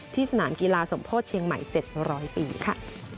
สนามกีฬาสมโพธิเชียงใหม่๗๐๐ปีค่ะ